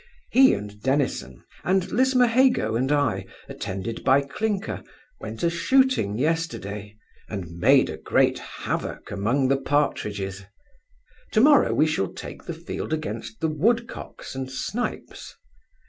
He and Dennison, and Lismahago and I, attended by Clinker, went a shooting yesterday, and made a great havock among the partridges To morrow we shall take the field against the woodcocks and snipes.